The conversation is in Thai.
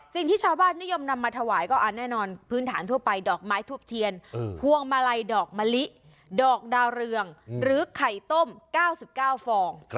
สิ่งที่ชาวบ้านนิยมนำมาถวายก็แน่นอนพื้นฐานทั่วไปดอกไม้ทูบเทียนพวงมาลัยดอกมะลิดอกดาวเรืองหรือไข่ต้ม๙๙ฟอง